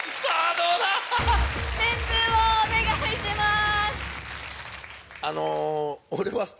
どうだ⁉点数をお願いします。